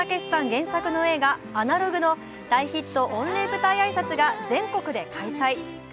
原作の映画「アナログ」の大ヒット御礼舞台挨拶が全国で開催。